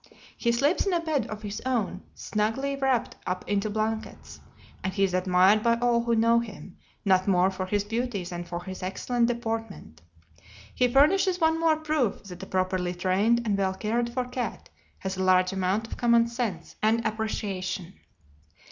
He sleeps in a bed of his own, snugly wrapped up in blankets, and he is admired by all who know him, not more for his beauty than for his excellent deportment. He furnishes one more proof that a properly trained and well cared for cat has a large amount of common sense and appreciation.